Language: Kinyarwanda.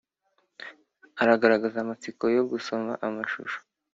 aragagaza amatsiko yo gusoma amashusho